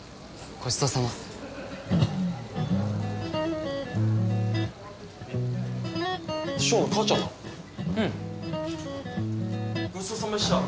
ごちそうさまでした！